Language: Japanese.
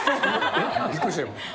びっくりした、今。